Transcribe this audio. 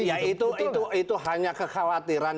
ya itu hanya kekhawatiran